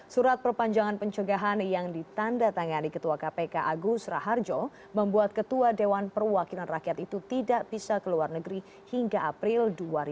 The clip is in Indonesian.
surat perpanjangan pencegahan yang ditanda tangani ketua kpk agus raharjo membuat ketua dewan perwakilan rakyat itu tidak bisa ke luar negeri hingga april dua ribu dua puluh